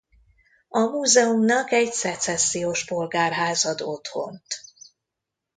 A múzeumnak egy szecessziós polgárház ad otthont.